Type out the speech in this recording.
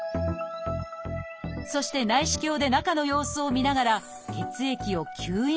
そして内視鏡で中の様子を見ながら血液を吸引するというもの